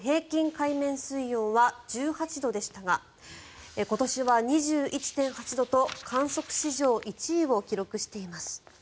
海面水温は１８度でしたが今年は２１．８度と観測史上１位を記録しています。